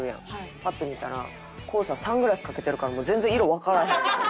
パッと見たらＫＯＯさんサングラスかけてるからもう全然色わからへん。